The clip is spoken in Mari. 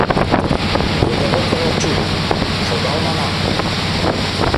Рядовой Ковальчук, шогал, манам!